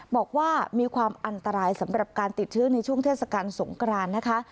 บอกว่ามีความอันตรายสำหรับการติดเชื้อในช่วงเทศกาลสงกรานนะคะ